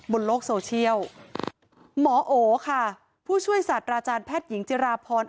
บนโลกโซเชียลหมอโอค่ะผู้ช่วยศาสตราจารย์แพทย์หญิงจิราพร